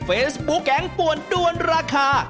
เฟซบุ๊กแก๊งป่วนด้วนราคา